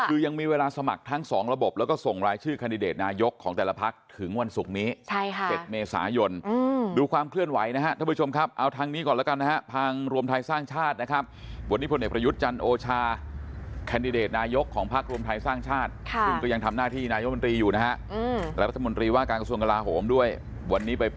คือยังมีเวลาสมัครทั้ง๒ระบบและก็ส่งรายชื่อคาดิเดตนายกของแต่ละบักถึงวันศุกร์นี้